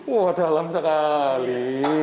wah dalam sekali